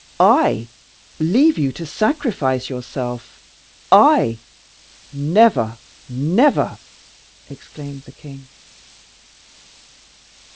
"I leave you to sacrifice yourself! I! never, never!" exclaimed the king.